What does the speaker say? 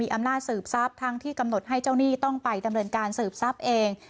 อำนาจสืบทรัพย์ทั้งที่กำหนดให้เจ้าหนี้ต้องไปดำเนินการสืบทรัพย์เอง